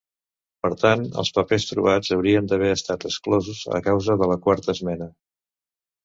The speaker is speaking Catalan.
Per tant, els papers trobats haurien d'haver estat exclosos a causa de la Quarta esmena.